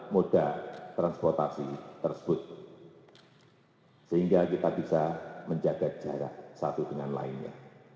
moda transportasi tersebut sehingga kita bisa menjaga jarak satu dengan lainnya